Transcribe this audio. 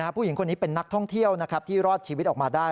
ผู้หญิงคนนี้เป็นนักท่องเที่ยวที่รอดชีวิตออกมาได้